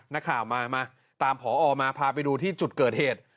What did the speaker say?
นักข่าวมาตามผอมาพาไปดูที่จุดเกิดเหตุ